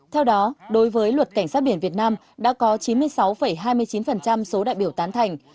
theo đó đối với luật cảnh sát biển việt nam đã có chín mươi sáu hai mươi chín số đại biểu tán thành